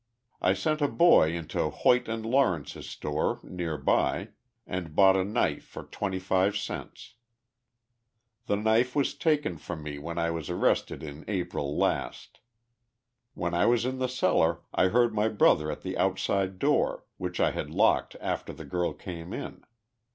I sent a boy into Hoyt & Lawrence's store, near by, and bought a knife for 25 cents. The 43 THE LIFE OF JESSE HAL'D I XG POMELO Y. knife was taken from me when I was arrested in April last. "When I was in the cellar I heard ray brother at the outside door, which I had locked after the girl came in.